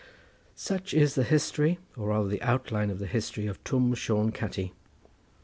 Such is the history, or rather the outline of the history of Twm Shone Catti.